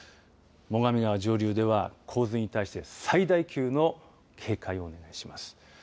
最上川上流では洪水に対して最大級の警戒をお願いします。